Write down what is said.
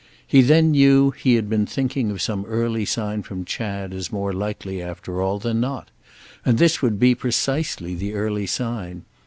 He then knew he had been thinking of some early sign from Chad as more likely, after all, than not; and this would be precisely the early sign.